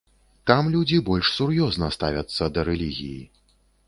Там людзі больш сур'ёзна ставяцца да рэлігіі.